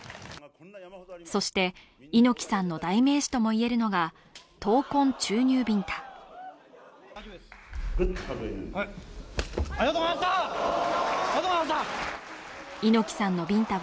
そして、猪木さんの代名詞ともいえるのが、闘魂注入ビンタ。